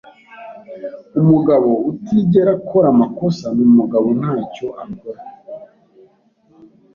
Umugabo utigera akora amakosa numugabo ntacyo akora.